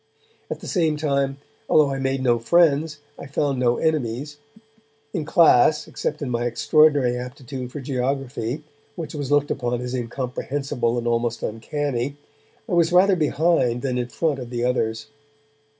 At the same time, although I made no friends, I found no enemies. In class, except in my extraordinary aptitude for geography, which was looked upon as incomprehensible and almost uncanny, I was rather behind than in front of the others.